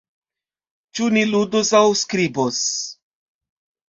Ĉu ni ludos aŭ skribos?